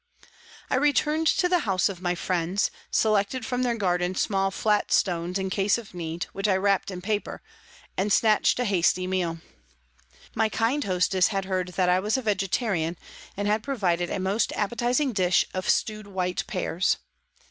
I returned to the house of my friends, selected from their garden small, flat stones in case of need, which I wrapped in paper, and snatched a hasty meal. My kind hostess had heard that I was a vegetarian, and had provided a most appetising dish of stewed white pears.